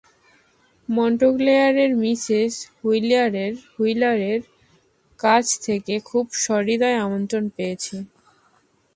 মণ্টক্লেয়ারের Mrs হুইলারের কাছ থেকে খুব সহৃদয় আমন্ত্রণ পেয়েছি।